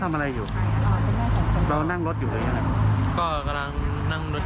ทำอะไรอยู่เรานั่งรถอยู่เลยยังไหมก็กำลังนั่งรถ